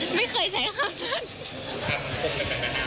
ฮะไม่เคยใช้คำนั้น